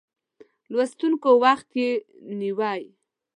لوستونکو وخت یې نیوی.